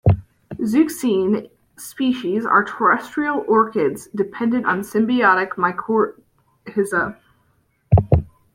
"Zeuxine" species are terrestrial orchids dependent on symbiotic mycorrhiza.